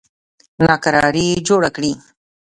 ناکراري جوړه کړي.